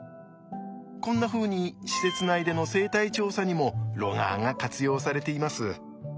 こんなふうに施設内での生態調査にもロガーが活用されています。